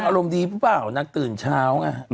อารมณ์ดีหรือเปล่านางตื่นเช้าไง